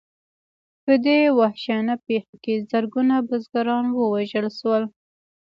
په دې وحشیانه پېښه کې زرګونه بزګران ووژل شول.